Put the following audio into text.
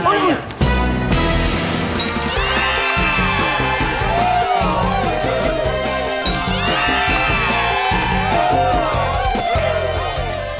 ทำอะไรกันอยู่ด้วย